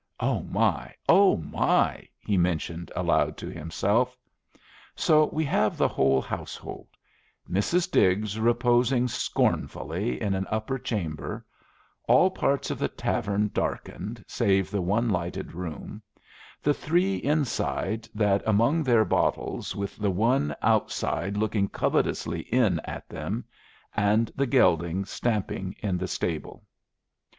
"O my! O my!" he mentioned aloud to himself. So we have the whole household: Mrs. Diggs reposing scornfully in an upper chamber; all parts of the tavern darkened, save the one lighted room; the three inside that among their bottles, with the one outside looking covetously in at them; and the gelding stamping in the stable.